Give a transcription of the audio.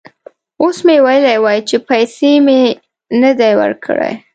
اوس که مې ویلي وای چې پیسې مې نه دي ورکړي.